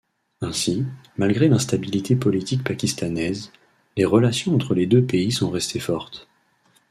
Ainsi, malgré l'instabilité politique pakistanaise, les relations entre les deux pays sont restées fortes.